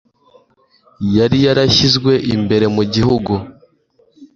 yari yarashyizwe imbere mu gihugu